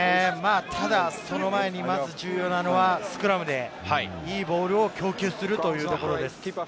ただ、その前に重要なのはスクラムでいいボールを供給するというところです。